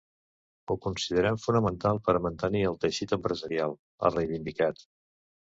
Ho considerem fonamental per a mantenir el teixit empresarial, ha reivindicat.